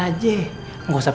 gua akan bantu sebisa gua